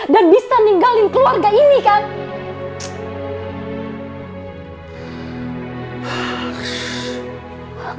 dan bisa ninggalin keluarga ini kan